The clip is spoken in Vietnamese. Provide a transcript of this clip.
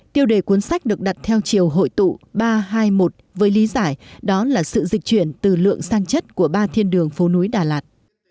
tiêu đề cuốn sách được đặt theo chiều hội tụ ba trăm hai mươi một với lý giải đó là sự dịch chuyển từ lượng sang chất của ba thiên đường phố núi đà lạt